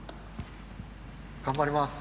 頑張ります。